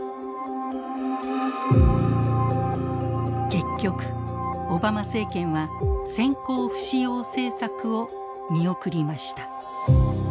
結局オバマ政権は先行不使用政策を見送りました。